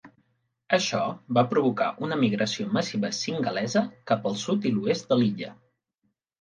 Això va provocar una migració massiva singalesa cap al sud i oest de l'illa.